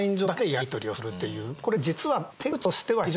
これ実は。